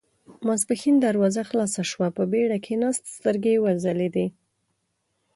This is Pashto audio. ماسپښين دروازه خلاصه شوه، په بېړه کېناست، سترګې يې وځلېدې.